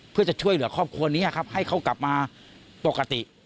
เพื่อจะช่วยเหลือครอบครัวนี้ครับให้เขากลับมาปกติ